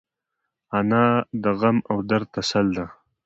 انا د غم او درد تسل ده